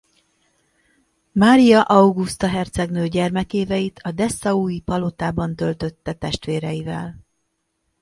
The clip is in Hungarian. Mária Auguszta hercegnő gyermekéveit a dessaui palotában töltötte testvéreivel.